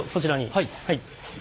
はい。